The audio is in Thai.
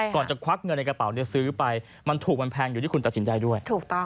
ก่อนจะควักเงินในกระเป๋าเนี่ยซื้อไปมันถูกมันแพงอยู่ที่คุณตัดสินใจด้วยถูกต้อง